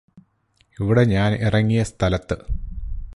ഇവിടെ ഞാന് ഇറങ്ങിയ സ്ഥലത്ത്